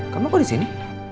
kamu kok disini